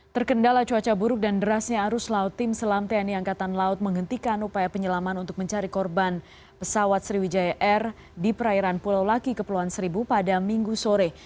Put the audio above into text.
terkendala cuaca buruk dan derasnya arus laut tim selam tni angkatan laut menghentikan upaya penyelaman untuk mencari korban pesawat sriwijaya air di perairan pulau laki kepulauan seribu pada minggu sore